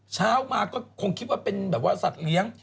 เช้ามาก็คงคิดว่าเป็นแบบว่าสัตว์เลี้ยง